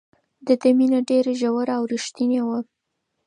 د ده مینه ډېره ژوره او رښتینې وه.